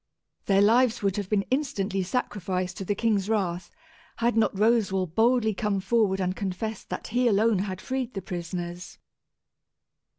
Their lives would have been instantly sacrificed to the king's wrath, had not Roswal boldly come forward and confessed that he alone had freed the prisoners.